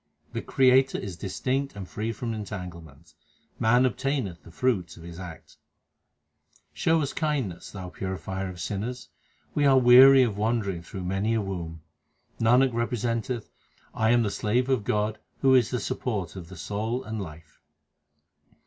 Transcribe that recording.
The Creator is distinct and free from entanglements ; man obtaineth the fruit of his acts. Show us kindness, Thou purifier of sinners ; we are weary of wandering through many a womb. Nanak representeth I am the slave of God who is the Support of the soul and life.